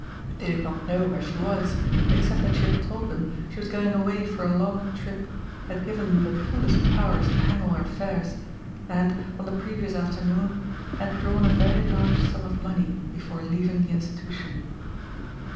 They did not know where she was, except that she had told them she was going away for a long trip, had given them the fullest powers to handle her affairs, and, on the previous afternoon, had drawn a very large sum of money before leaving the institution.